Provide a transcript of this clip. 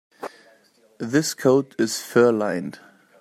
This coat is fur-lined.